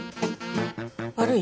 悪い？